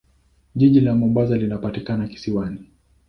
Jiji la Mombasa linapatikana kisiwani.